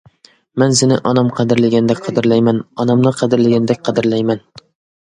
مەن سېنى ئانام قەدىرلىگەندەك قەدىرلەيمەن، ئانامنى قەدىرلىگەندەك قەدىرلەيمەن.